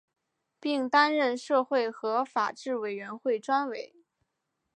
并担任社会和法制委员会专委。